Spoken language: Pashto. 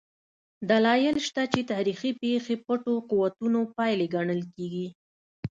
دلایل شته چې تاریخي پېښې پټو قوتونو پایلې ګڼل کېږي.